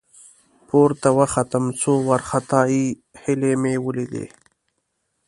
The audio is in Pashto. ، پورته وختم، څو وارخطا هيلۍ مې ولېدې.